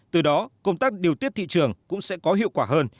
từ đó công tác điều tiết thị trường cũng sẽ có hiệu quả hơn